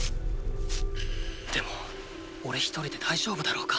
でもおれ一人で大丈夫だろうか？